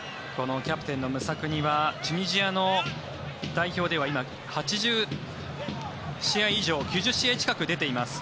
キャプテンのムサクニはチュニジアの代表では今、８０試合以上９０試合近く出ています。